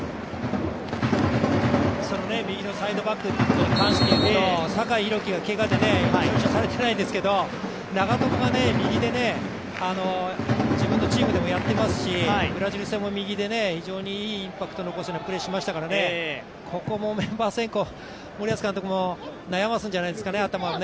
右のサイドバックに関して言うと酒井宏樹がけがで招集されてないですけど長友が右で自分のチームでもやっていますしブラジル戦も右でいいインパクト残すようなプレーしましたからここもメンバー選考、森保監督も悩ますんじゃないですかね頭を。